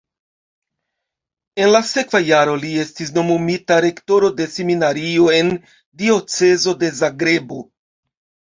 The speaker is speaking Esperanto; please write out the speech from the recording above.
En la sekva jaro li estis nomumita rektoro de seminario en diocezo de Zagrebo.